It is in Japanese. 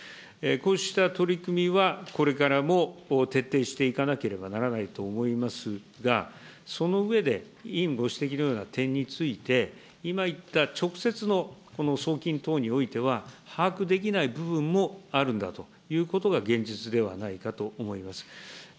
こうした取り組みは、これからも徹底していかなければならないと思いますが、その上で、委員ご指摘のような点について、今言った直接のこの送金等においては、把握できない部分もあるんだということが現実ではないかと思います。